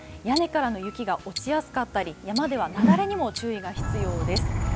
屋根からの雪が落ちやすかったり山では雪崩にも注意が必要です。